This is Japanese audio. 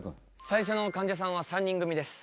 最初のかんじゃさんは３人組です。